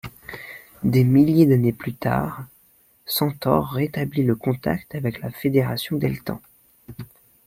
Des milliers d'années plus tard, Centaure rétablit le contact avec la Fédération Deltan.